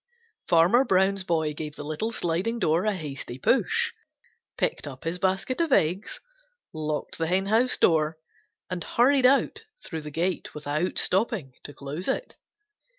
Farmer Brown's boy gave the little sliding door a hasty push, picked up his basket of eggs, locked the henhouse door and hurried out through the gate without stopping to close it.